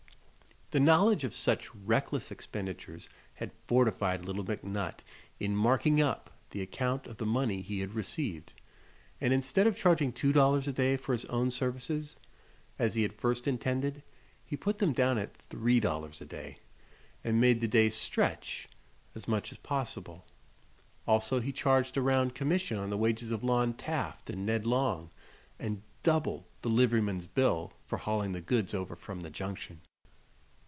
The knowledge of such reckless expenditures had fortified little McNutt in "marking up" the account of the money he had received, and instead of charging two dollars a day for his own services, as he had at first intended, he put them down at three dollars a day and made the days stretch as much as possible. Also he charged a round commission on the wages of Lon Taft and Ned Long, and doubled the liveryman's bill for hauling the goods over from the Junction.